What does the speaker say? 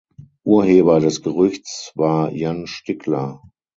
Urheber des Gerüchts war Jan Stickler.